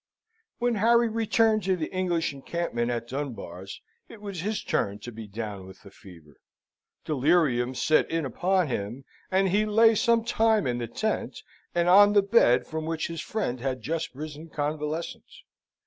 When Harry returned to the English encampment at Dunbar's, it was his turn to be down with the fever. Delirium set in upon him, and he lay some time in the tent and on the bed from which his friend had just risen convalescent.